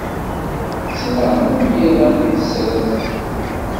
Ttnaɣen am yiḍan di tesraft.